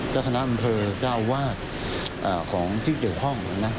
เจ้าคณะบันเทอร์เจ้าวาดของที่เจียวพร่อม